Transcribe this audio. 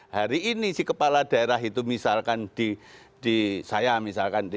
hari ini si kepala daerah itu misalkan di saya misalkan